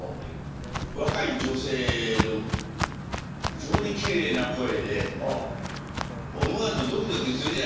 若い女性の非常にきれいな声で思わずドキドキするじゃないですか。